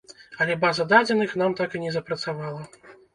Але база дадзеных там так і не запрацавала.